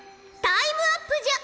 タイムアップじゃ！